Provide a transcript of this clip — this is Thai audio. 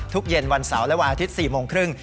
เย็นวันเสาร์และวันอาทิตย์๔โมงครึ่ง